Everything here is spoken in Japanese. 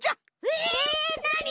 えなに？